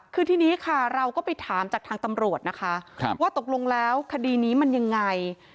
คือทีนี้ค่ะเราก็ไปถามจากทางตำรวจนะคะว่าตกลงแล้วคดีนี้มันยังไง